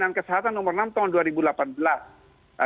lalu ada karantinaan kesehatan nomor enam tahun dua ribu delapan belas